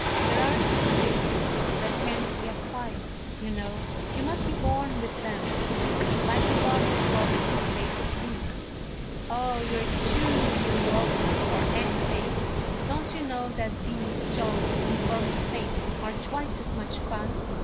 There are some tastes that can't be acquired, you know; you must be born with them, like the love of Boston baked beans." " Oh, you 're too New Yorky for anything ; don't you know that these jolly informal things are twice as much fun